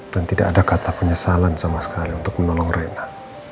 dan tidak ada kata penyesalan sama sekali untuk menolong reina